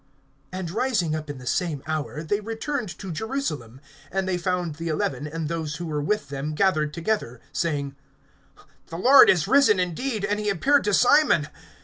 (33)And rising up in the same hour, they returned to Jerusalem; and they found the eleven and those who were with them gathered together, (34)saying: The Lord is risen indeed, and he appeared to Simon.